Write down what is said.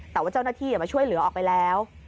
แต่ว่าเจ้าหน้าที่มาช่วยเหลือออกไปแล้ว